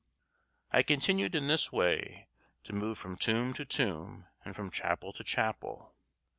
I continued in this way to move from tomb to tomb and from chapel to chapel.